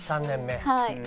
３年目。